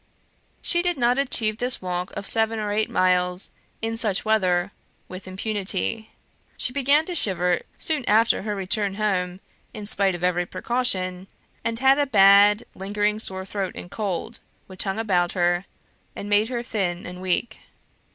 She did not achieve this walk of seven or eight miles, in such weather, with impunity. She began to shiver soon after her return home, in spite of every precaution, and had a bad lingering sore throat and cold, which hung about her; and made her thin and weak.